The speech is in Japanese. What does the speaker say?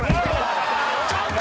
ちょっと！